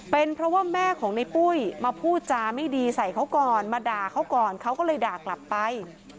เป็นเพราะว่าแม่ของในปุ้ยมาพูดจาไม่ดีใส่เขาก่อนมาด่าเขาก่อนเขาก็เลยด่ากลับไป